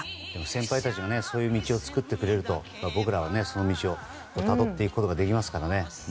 先輩たちがそういう道を作ってくれると僕らは、その道をたどっていくことができますからね。